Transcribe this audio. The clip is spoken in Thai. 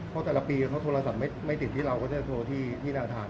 เพราะแต่ละปีเขาโทรศัพท์ไม่ติดที่เราก็จะโทรที่ธนาคาร